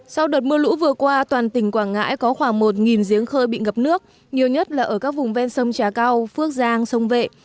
sau đợt mưa lũ vừa qua toàn tỉnh quảng ngãi có khoảng một giếng khơi bị ngập nước nhiều nhất là ở các vùng ven sông trà cao phước giang sông vệ